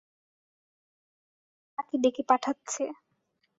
কুমু বারে বারে তাকে ডেকে পাঠাচ্ছে।